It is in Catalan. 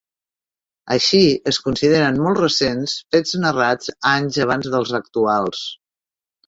Així, es consideren molt recents fets narrats anys abans dels actuals.